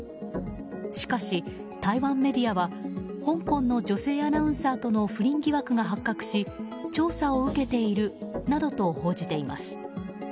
しかし台湾メディアは香港の女性アナウンサーとの不倫疑惑が発覚し調査を受けているなどと報じています。